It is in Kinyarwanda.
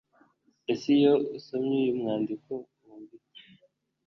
ese iyo usomye uyu mwandiko wumva iki